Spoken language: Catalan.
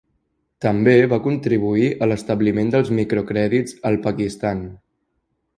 També va contribuir a l'establiment dels microcrèdits al Pakistan.